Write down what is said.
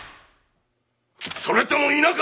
それとも否か！